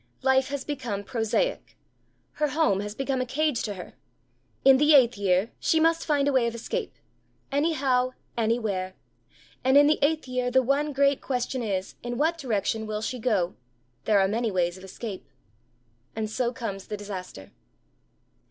Life has become prosaic. Her home has become a cage to her. In the eighth year she must find a way of escape anyhow, anywhere. And in the eighth year the one great question is, in what direction will she go? There are many ways of escape."' And so comes the disaster.